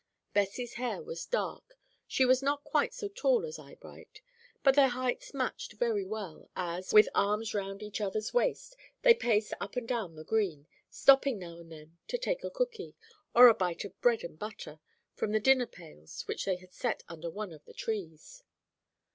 Bessie's hair was dark; she was not quite so tall as Eyebright; but their heights matched very well, as, with arms round each other's waist, they paced up and down "the green," stopping now and then to take a cookie, or a bit of bread and butter, from the dinner pails which they had set under one of the trees.